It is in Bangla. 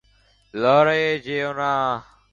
লড়াইয়ে যেও না?